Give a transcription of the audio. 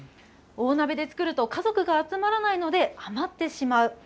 大鍋で作ると家族が集まらないので、余ってしまう。